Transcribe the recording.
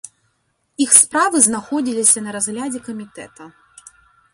Іх справы знаходзіліся на разглядзе камітэта.